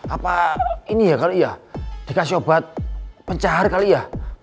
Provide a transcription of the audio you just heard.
apa ini ya kalau iya dikasih obat pencahar kali ya